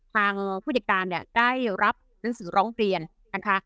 ผู้จัดการเนี่ยได้รับหนังสือร้องเรียนนะคะ